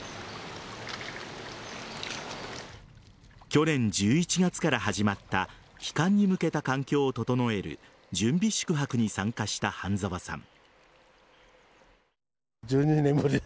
去年１１月から始まった帰還に向けた環境を整える準備宿泊に参加した半澤さん。